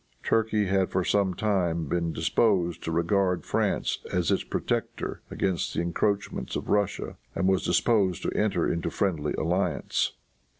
Turkey had for some time been disposed to regard France as its protector against the encroachments of Russia, and was disposed to enter into friendly alliance.